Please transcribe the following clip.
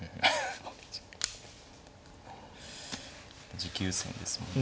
持久戦ですもんね